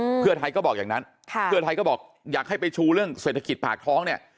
อืมเพื่อไทยก็บอกอย่างนั้นค่ะเพื่อไทยก็บอกอยากให้ไปชูเรื่องเศรษฐกิจปากท้องเนี้ย